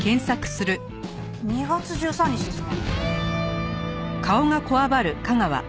２月１３日ですね。